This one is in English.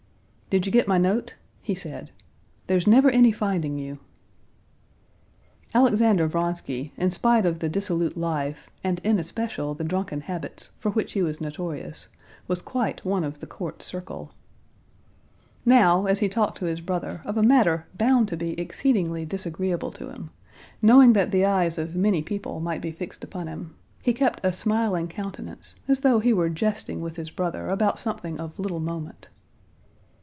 "Did you get my note?" he said. "There's never any finding you." Alexander Vronsky, in spite of the dissolute life, and in especial the drunken habits, for which he was notorious, was quite one of the court circle. Now, as he talked to his brother of a matter bound to be exceedingly disagreeable to him, knowing that the eyes of many people might be fixed upon him, he kept a smiling countenance, as though he were jesting with his brother about something of little moment.